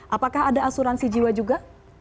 apakah ada asuransi jiwa juga